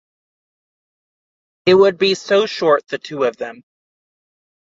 It would be so short the two of them...